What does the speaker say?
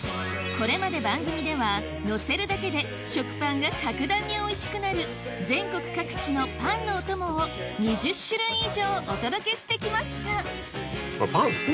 これまで番組ではのせるだけで食パンが格段においしくなる全国各地のパンのお供を２０種類以上お届けしてきました